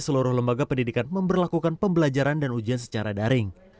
seluruh lembaga pendidikan memperlakukan pembelajaran dan ujian secara daring